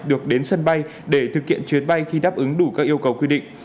được đến sân bay để thực hiện chuyến bay khi đáp ứng đủ các yêu cầu quy định